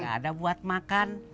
nggak ada buat makan